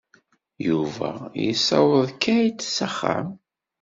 Yuba yessaweḍ Kate s axxam.